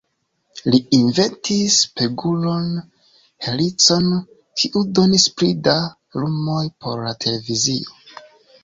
Li inventis spegulo-helicon, kiu donis pli da lumoj por la televizio.